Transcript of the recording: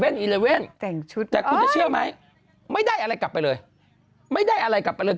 แต่คุณจะเชื่อไหมไม่ได้อะไรกลับไปเลย